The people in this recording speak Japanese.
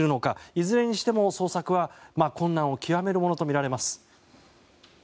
いずれにしても捜索は困難を極めるものとみられます。